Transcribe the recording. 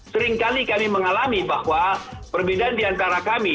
sering kali kami mengalami bahwa perbedaan diantara kami